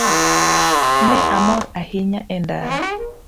Ne amor ahinya e ndara.